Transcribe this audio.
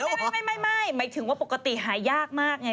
อันนี้คู่แล้วเหรอไม่หมายถึงว่าปกติหายากมากไง